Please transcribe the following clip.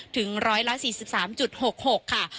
ถึง๑๔๓๖๖ค่ะ